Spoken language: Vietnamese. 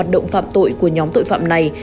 tội của nhóm tội phạm này